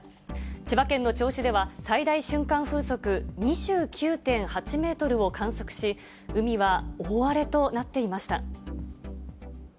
千葉県の銚子では、最大瞬間風速２９．８メートルを観測し、海は大荒れとなっていました。